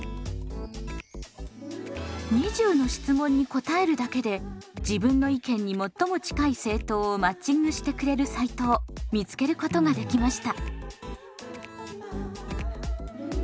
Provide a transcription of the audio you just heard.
２０の質問に答えるだけで自分の意見に最も近い政党をマッチングしてくれるサイトを見つけることができました。